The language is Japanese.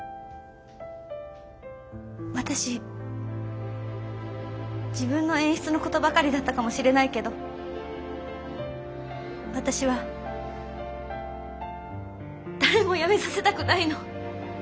私自分の演出のことばかりだったかもしれないけど私は誰もやめさせたくないの。